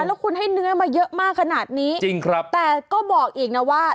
แล้วคุณให้เนื้อมาเยอะมากขนาดนี้แต่ก็บอกเองนะว่า